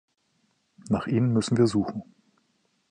Nach ihnen müssen wir suchen.